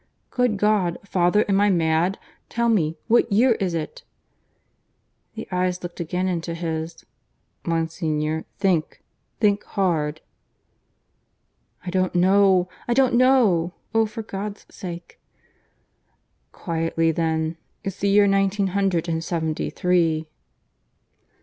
"Good God! Father, am I mad? Tell me. What year is it?" The eyes looked again into his. "Monsignor, think. Think hard." "I don't know. ... I don't know. ... Oh, for God's sake! ..." "Quietly then. ... It's the year nineteen hundred and seventy three."